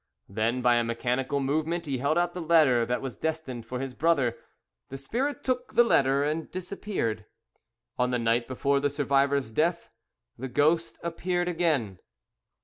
Then, by a mechanical movement, he held out the letter that was destined for his brother, the spirit took the letter and disappeared. On the night before the survivor's death, the ghost appeared again.